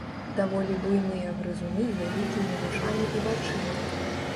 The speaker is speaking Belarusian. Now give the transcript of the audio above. Даволі буйныя грызуны з вялікімі вушамі і вачыма.